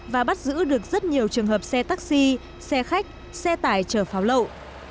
và bắt giữ được rất nhiều trường hợp xe taxi xe khách xe tải chở pháo lậu